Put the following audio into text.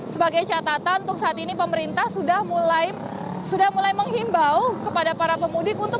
sebagai catatan untuk saat ini pemerintah sudah mulai menghimbau kepada para pemudik